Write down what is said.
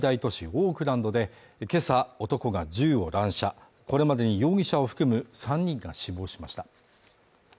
オークランドで今朝、男が銃を乱射、これまでに容疑者を含む３人が死亡しました。